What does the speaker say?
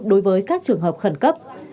đối với các trường hợp khẩn cấp